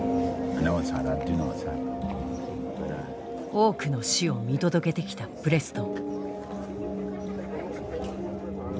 多くの死を見届けてきたプレストン。